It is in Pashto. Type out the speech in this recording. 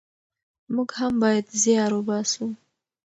موږ هم بايد زيار وباسو.